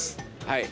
はい。